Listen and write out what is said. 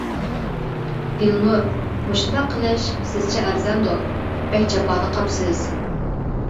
-دىلنۇر، مۇشۇنداق قىلىش. سىزچە ئەرزىمدۇ؟ بەك جاپادا قاپسىز.